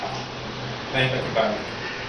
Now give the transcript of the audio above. ในปัจจุบัน